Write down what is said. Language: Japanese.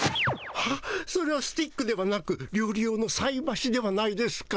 ハッそれはスティックではなくりょう理用のさいばしではないですか。